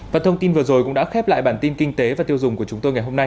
và thông tin vừa rồi cũng đã khép lại bản tin kinh tế và tiêu dùng của chúng tôi ngày hôm nay